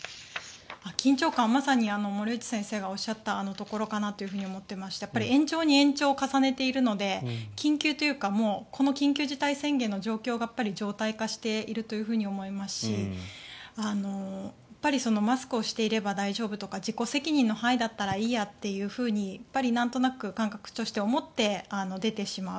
緊張感まさに森内先生がおっしゃったところかなと思っていまして延長に延長を重ねているので緊急というかもうこの緊急事態宣言の状況が常態化しているというふうに思いますしやっぱりマスクをしていれば大丈夫とか自己責任の範囲だったらいいやとなんとなく感覚として思って出てしまう。